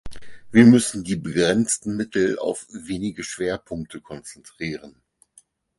Wir müssen die begrenzten Mittel auf wenige Schwerpunkte konzentrieren.